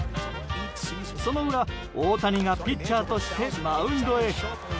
その裏、大谷がピッチャーとしてマウンドへ。